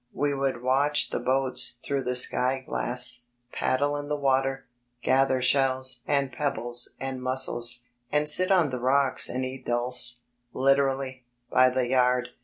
We would watch the boats through the sky glass, paddle in the water, gather shells and pebbles and mussels, and sit on the rocks and eat dulse, literally, by the yard.